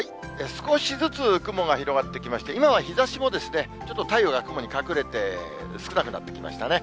少しずつ雲が広がってきまして、今は日ざしも、ちょっと太陽が雲に隠れて、少なくなってきましたね。